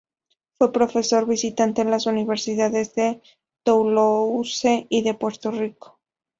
Fue profesor visitante en las Universidades de Toulouse y de Puerto Rico.